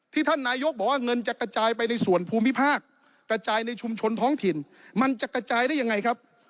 ท่านนายกบอกว่าเงินจะกระจายไปในส่วนภูมิภาคกระจายในชุมชนท้องถิ่นมันจะกระจายได้ยังไงครับ